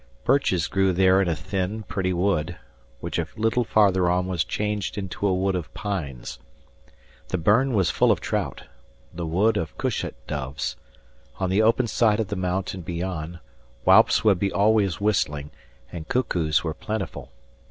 Birches grew there in a thin, pretty wood, which a little farther on was changed into a wood of pines. The burn was full of trout; the wood of cushat doves; on the open side of the mountain beyond, whaups would be always whistling, and cuckoos were plentiful.